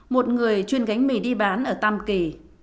một người chuyên gánh mì đi bán ở tam kỳ